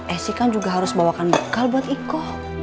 esi kan juga harus bawakan bekal buat eko